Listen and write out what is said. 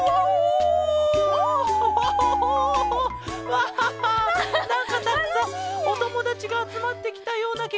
わあなんかたくさんおともだちがあつまってきたようなきがしたケロ。